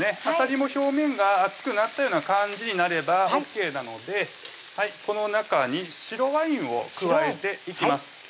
あさりも表面が熱くなったような感じになればＯＫなのでこの中に白ワインを加えていきます